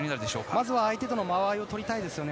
まずは、相手との間合いをとりたいですね。